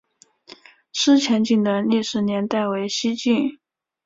思前井的历史年代为西晋。